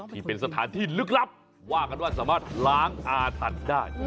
ที่เป็นสถานที่ลึกลับว่ากันว่าสามารถล้างอาถรรพ์ได้